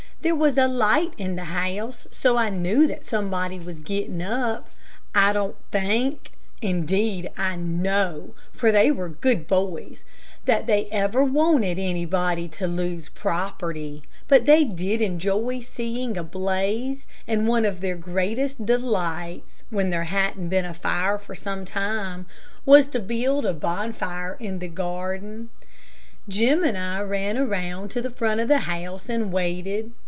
There was a light in the house, so I knew that somebody was getting up. I don't think indeed I know, for they were good boys that they ever wanted anybody to lose property, but they did enjoy seeing a blaze, and one of their greatest delights, when there hadn't been a fire for some time, was to build a bonfire in the garden. Jim and I ran around to the front of the house and waited.